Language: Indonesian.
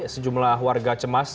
sejumlah warga cemas